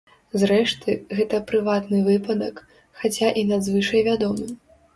Зрэшты, гэта прыватны выпадак, хаця і надзвычай вядомы.